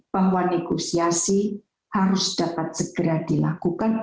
bahwa negosiasi harus dapat segera dilakukan